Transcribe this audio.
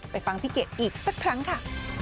ฟังพี่เกดอีกสักครั้งค่ะ